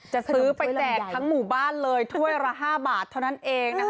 จะซื้อไปแจกทั้งหมู่บ้านเลยถ้วยละ๕บาทเท่านั้นเองนะคะ